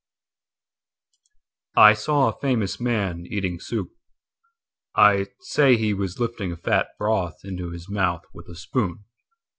Soup I SAW a famous man eating soup.I say he was lifting a fat brothInto his mouth with a spoon.